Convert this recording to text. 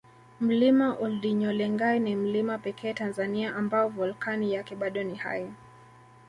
Mlima oldinyolengai ni mlima pekee Tanzania ambao volkani yake bado ni hai